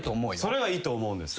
それはいいと思う。